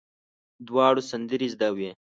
دواړو سندرې زده وې.